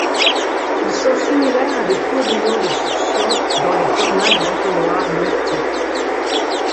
Ils sont similaires à des tourbillons de succion dans les tornades à entonnoirs multiples.